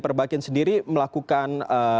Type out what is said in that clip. perbakin sendiri melakukan